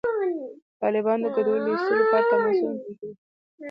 طالبانو د کډوالو د ایستلو په اړه تماسونه تایید کړل.